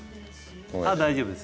大丈夫ですか？